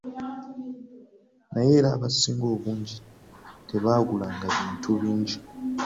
Naye era abasinga obungi tebaagulanga bintu bingi.